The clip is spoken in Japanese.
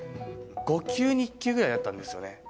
５球に１球ぐらいだったんですよね。